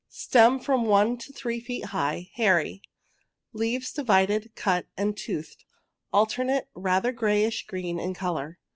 Stem from one to three feet high— hairy. Leaves, divided, cut, and toothed— alter nate, rather grayish green in colour.